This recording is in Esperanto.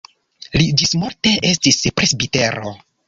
Li ĝismorte estis presbitero.